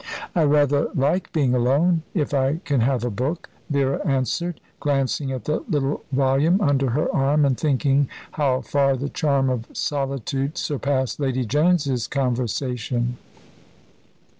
"I rather like being alone if I can have a book," Vera answered, glancing at the little volume under her arm, and thinking how far the charm of solitude surpassed Lady Jones's conversation.